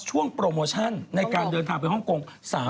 ช่วงโปรโมชั่นในการเดินภายเป็นห้องโกง